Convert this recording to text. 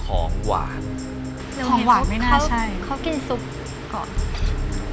ของหวานไม่น่าใช่